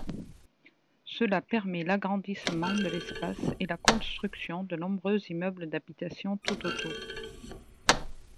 Cela permet l'agrandissement de l'espace et la construction de nombreux immeubles d'habitation tout autour.